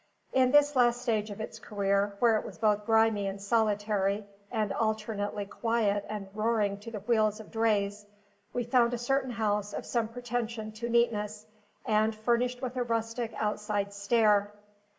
In this last stage of its career, where it was both grimy and solitary, and alternately quiet and roaring to the wheels of drays, we found a certain house of some pretension to neatness, and furnished with a rustic outside stair.